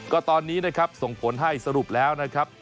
ก็ตอนนี้นะครับส่งผลให้สรุปแล้วนะครับ